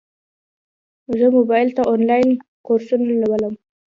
زه موبایل ته انلاین کورسونه لولم.